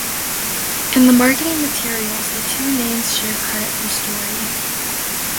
In the marketing materials the two names share credit for story.